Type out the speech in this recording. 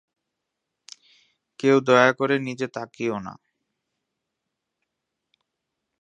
কেউ দয়া করে নিচে তাকিও না।